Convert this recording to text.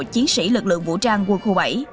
chiến sĩ lực lượng vũ trang quân khu bảy